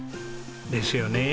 ですよね。